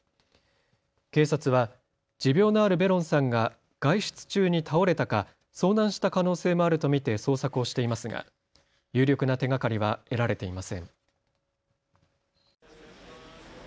警察は持病のあるベロンさんが外出中に倒れたか遭難した可能性もあると見て捜索をしていますが有力な手がかりは得られていません。